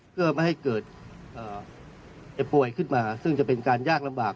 เพื่อไม่ให้เกิดเจ็บป่วยขึ้นมาซึ่งจะเป็นการยากลำบาก